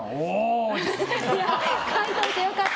描いといてよかった。